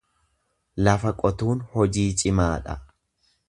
Lafa qotuun hojii cimaa dha.